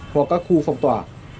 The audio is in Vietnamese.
hoặc các khu phòng tỏa